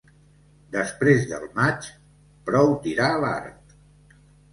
Després del maig, prou tirar l'art.